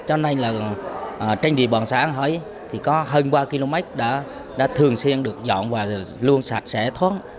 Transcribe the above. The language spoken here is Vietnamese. cho nên là trên địa bàn xã hải thì có hơn ba km đã thường xuyên được dọn và luôn sạch sẽ thoát